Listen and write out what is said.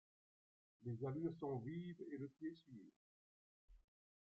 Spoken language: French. Les allures sont vives et le pied sûr.